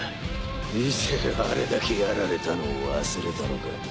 以前あれだけやられたのを忘れたのか？